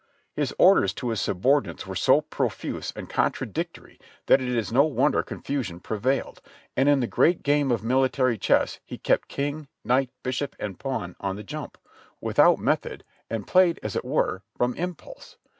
His orders to his subordinates were so profuse and contradictory that it is no wonder confusion prevailed, and in the great game of military chess he kept king, knight, bishop and pawn on the jump, without method, and played, as it were, from impulse.